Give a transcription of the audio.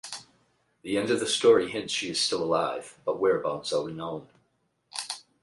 The end of the story hints she is still alive, but whereabouts unknown.